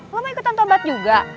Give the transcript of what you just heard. lo mah ikutan tobat juga